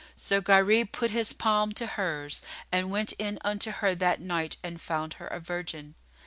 So Gharib put his palm to hers[FN#44] and went in unto her that night and found her a virgin.